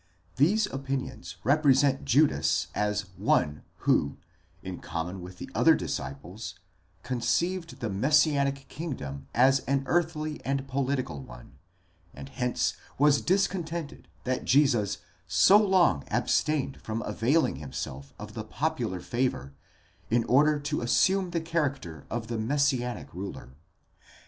5 These opinions represent Judas as one who, in common with the other disciples, conceived the messianic kingdom as an earthly and political one, and hence was discontented that Jesus so long abstained from availing himself of the popular favour, in order to assume the character of the messianic ruler.